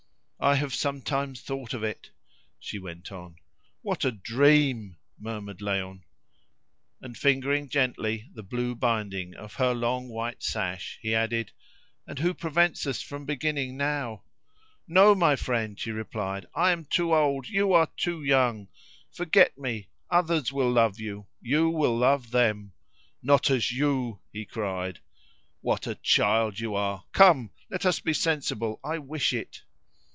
"I have sometimes thought of it," she went on. "What a dream!" murmured Léon. And fingering gently the blue binding of her long white sash, he added, "And who prevents us from beginning now?" "No, my friend," she replied; "I am too old; you are too young. Forget me! Others will love you; you will love them." "Not as you!" he cried. "What a child you are! Come, let us be sensible. I wish it."